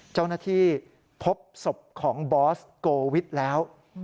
เจ้าหน้าที่พบศพของบอสโกวิทแล้ว